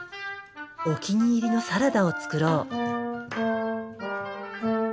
お気に入りのサラダを作ろう。